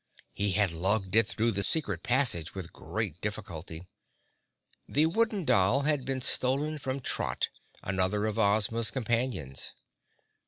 He had lugged it through the secret passage with great difficulty. The wooden doll had been stolen from Trot, another of Ozma's companions.